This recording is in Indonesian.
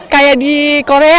kayak di korea